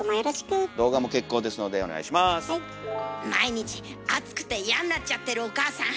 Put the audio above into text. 毎日暑くて嫌んなっちゃってるお母さん